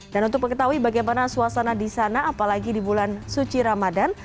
dan untuk mengetahui bagaimana suasana di sana apalagi di bulan suci ramadan